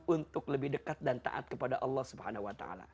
untuk lebih dekat dan taat kepada allah swt